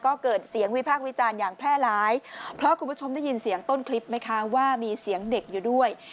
ก็เกิดเสียงวิพากษ์วิจารณ์อย่างแพร่ร้ายเพราะคุณผู้ชมได้ยินเสียงต้นคลิปไหมคะว่ามีเสียงเด็กอยู่ด้วย